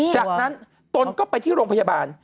จากนั้นตนก็ไปที่โรงพยาบาล